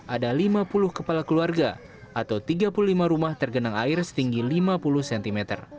ada lima puluh kepala keluarga atau tiga puluh lima rumah tergenang air setinggi lima puluh cm